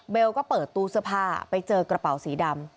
ก็เปิดตู้เสื้อผ้าไปเจอกระเป๋าสีดำ